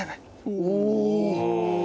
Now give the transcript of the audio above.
おお！